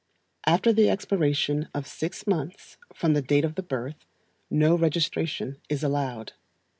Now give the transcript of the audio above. After the expiration of six months from the date of the birth, no registration is allowed.